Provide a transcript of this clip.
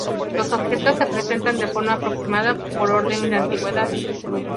Los objetos se presentan de forma aproximada por orden de antigüedad.